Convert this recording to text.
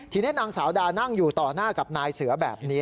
ทีนี้นางสาวดานั่งอยู่ต่อหน้ากับนายเสือแบบนี้